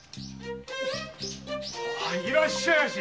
いらっしゃいまし。